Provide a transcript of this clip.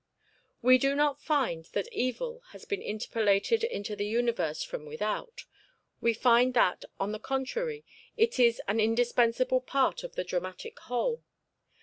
We do not find that evil has been interpolated into the universe from without; we find that, on the contrary, it is an indispensable part of the dramatic whole.